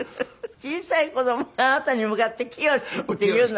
小さい子供があなたに向かって「清」って言うのは。